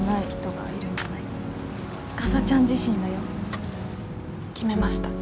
かさちゃん自身だよ。決めました。